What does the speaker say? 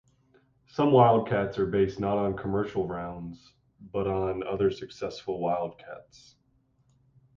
Some wildcats are based not on commercial rounds, but on other successful wildcats.